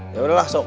ya udah lah cok